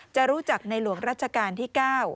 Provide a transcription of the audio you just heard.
จะรู้จักในหลวงรัชกาลที่๙